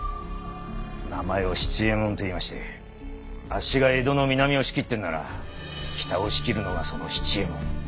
名前を「七右衛門」といいましてあっしが江戸の南を仕切ってんなら北を仕切るのがその七右衛門。